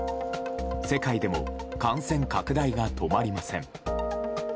世界でも感染拡大が止まりません。